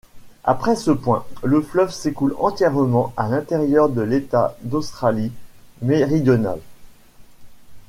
Après ce point, le fleuve s'écoule entièrement à l'intérieur de l'État d'Australie-Méridionale.